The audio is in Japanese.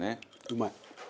うまい。